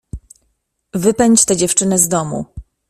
Wypędź tę dziewczynę z domu!